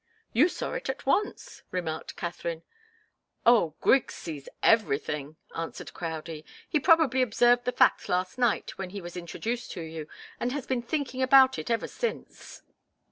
"You saw it at once," remarked Katharine. "Oh Griggs sees everything," answered Crowdie. "He probably observed the fact last night when he was introduced to you, and has been thinking about it ever since."